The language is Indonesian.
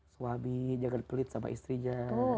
suami jangan pelit sama istrinya